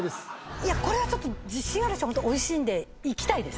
いやこれはちょっと自信あるしおいしいんでいきたいです